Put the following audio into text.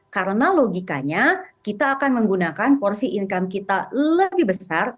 karena logikanya kita akan menggunakan porsi income kita lebih besar